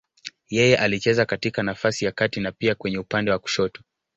Yeye alicheza katika nafasi ya kati na pia kwenye upande wa kushoto.